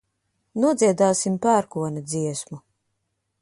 Nodziedāsim pērkona dziesmu.